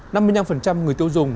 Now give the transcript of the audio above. năm mươi năm người tiêu dùng